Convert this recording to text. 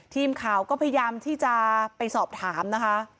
ทีมข่าวก็พยายามที่จะไปสอบถามนะคะ